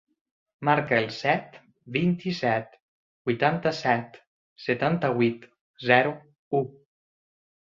Marca el set, vint-i-set, vuitanta-set, setanta-vuit, zero, u.